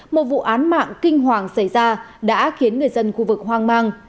một vụ án mạng kinh hoàng xảy ra đã khiến người dân khu vực hoang mang